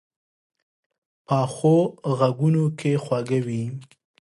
پخو غږونو کې خواږه وي